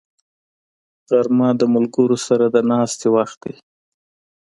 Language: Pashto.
غرمه د ملګرو سره د ناستې وخت دی